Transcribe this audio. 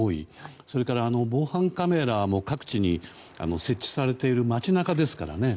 それから、防犯カメラも各地に設置されている街中ですからね。